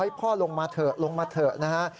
พ่อลงมาเถอะลงมาเถอะนะฮะ